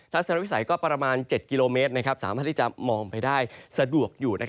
สนวิสัยก็ประมาณ๗กิโลเมตรสามารถที่จะมองไปได้สะดวกอยู่